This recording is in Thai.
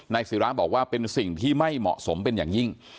ศิราบอกว่าเป็นสิ่งที่ไม่เหมาะสมเป็นอย่างยิ่ง